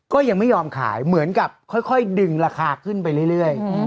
ก็ยังไม่ยอมขายเหมือนกับค่อยดึงราคาขึ้นไปเรื่อย